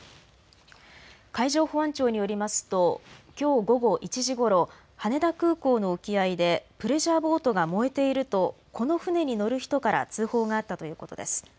海上保安庁によりますときょう午後１時ごろ、羽田空港の沖合でプレジャーボートが燃えているとこの船に乗る人から通報があったということです。